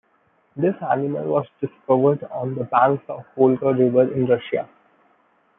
This animal was discovered on the banks of the Volga River in Russia.